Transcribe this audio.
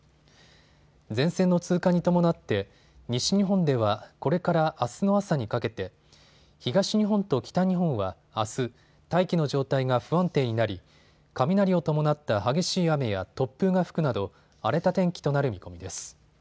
前線の通過に伴って西日本ではこれからあすの朝にかけて、東日本と北日本は、あす、大気の状態が不安定になり雷を伴った激しい雨や突風が吹くなど荒れた天気となる見込みです。